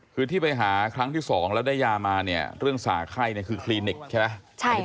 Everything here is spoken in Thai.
คือที่ไปหาครั้งที่๒แล้วได้ยามาเนี่ยเรื่องสาไข้คือคลินิกใช่ไหม